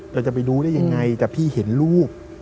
เราจะไปรู้ได้ยังไงแต่พี่เห็นรูป